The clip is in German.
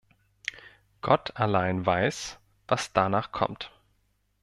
Gott allein weiß, was danach kommt.